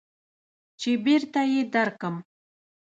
چې بېرته يې درکم.